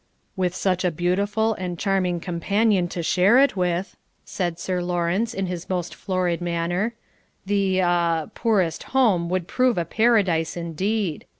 "With such a beautiful and charming companion to share it with," said Sir Lawrence, in his most florid manner, "the ah poorest home would prove a Paradise indeed!